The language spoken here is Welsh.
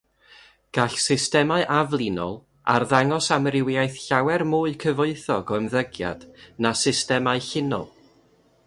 Gall systemau aflinol arddangos amrywiaeth llawer mwy cyfoethog o ymddygiad na systemau llinol.